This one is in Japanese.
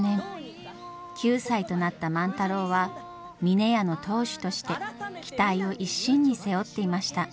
９歳となった万太郎は峰屋の当主として期待を一身に背負っていました。